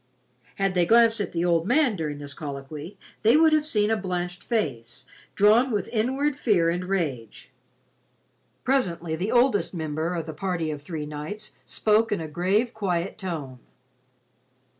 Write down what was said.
Had they glanced at the old man during this colloquy, they would have seen a blanched face, drawn with inward fear and rage. Presently the oldest member of the party of three knights spoke in a grave quiet tone.